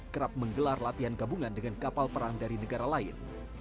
kerap menggelar latihan gabungan dengan kapal perang dari negara lain